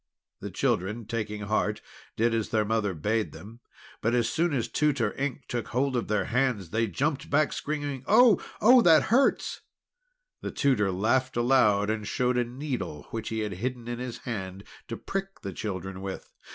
The children, taking heart, did as their mother bade them. But as soon as Tutor Ink took hold of their hands, they jumped back, screaming: "Oh! Oh! It hurts!" The tutor laughed aloud, and showed a needle, which he had hidden in his hand to prick the children with.